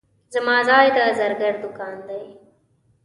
زما ځای د زرګر دوکان دی.